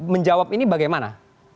menjawab ini bagaimana